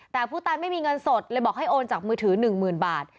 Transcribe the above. แต่ผู้ตายไม่มีเงินสดเลยบอกให้โอนจากมือถือ๑๐๐๐บาท